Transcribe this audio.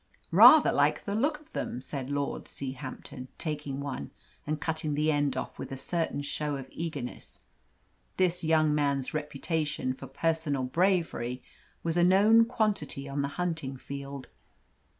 "Rather like the look of them," said Lord Seahampton, taking one and cutting the end off with a certain show of eagerness. This young man's reputation for personal bravery was a known quantity on the hunting field.